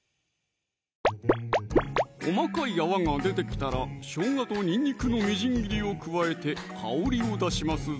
細かい泡が出てきたらしょうがとにんにくのみじん切りを加えて香りを出しますぞ